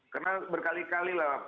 karena berkali kali lah